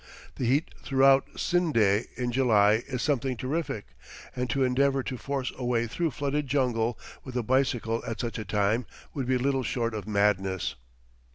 The heat throughout Scinde in July is something terrific; and to endeavor to force a way through flooded jungle with a bicycle at such a time would be little short of madness.